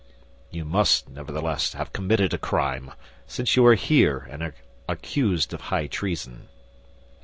"You must, nevertheless, have committed a crime, since you are here and are accused of high treason."